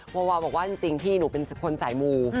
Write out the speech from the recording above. วาวาบอกว่าจริงพี่หนูเป็นคนสายมู